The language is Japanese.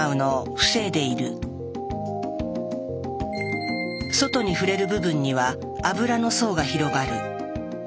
外に触れる部分には油の層が広がる。